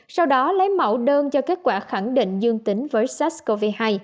sau đó lấy mẫu đơn cho kết quả khẳng định dương tính với sars cov hai